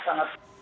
emang begitu lah